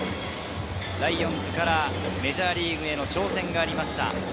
ライオンズからメジャーリーグへの挑戦がありました。